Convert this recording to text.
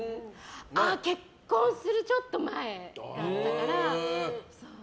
結婚するちょっと前だったかな。